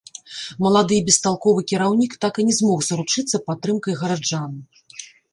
Малады і бесталковы кіраўнік так і не змог заручыцца падтрымкай гараджан.